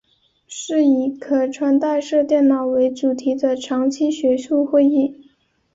是以可穿戴式电脑为主题的长期学术会议。